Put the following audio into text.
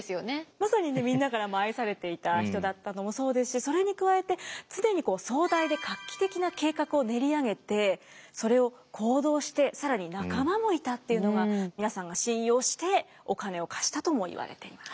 まさにねみんなからも愛されていた人だったのもそうですしそれに加えて常に壮大で画期的な計画を練り上げてそれを行動して更に仲間もいたっていうのが皆さんが信用してお金を貸したともいわれています。